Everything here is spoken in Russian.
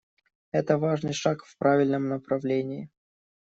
Это важный шаг в правильном направлении.